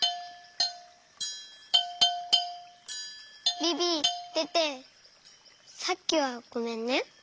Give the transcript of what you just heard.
ビビテテさっきはごめんね。